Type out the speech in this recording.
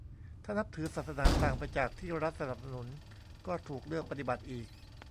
ถ้านับถือศาสนาต่างไปจากที่รัฐสนับสนุนก็ถูกเลือกปฏิบัติอีก